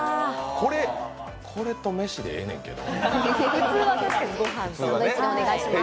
これと飯でええねんけど。